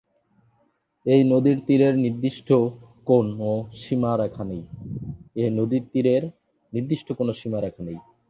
এ নদীর তীরের নির্দিষ্ট কোন সীমারেখা নেই।